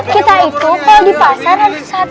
kita itu kalau di pasar harus hati hati